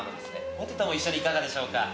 ポテトも一緒にいかがでしょうか？」